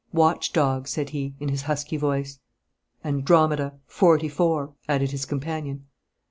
'Watch dog,' said he, in his husky voice. 'Andromeda. Forty four,' added his companion.